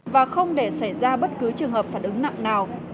và không để xảy ra bất cứ trường hợp phản ứng nặng nào